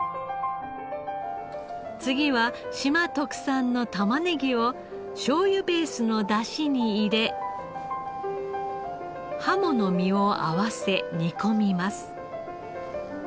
次は島特産のタマネギをしょうゆベースの出汁に入れハモの身を合わせ煮込みます。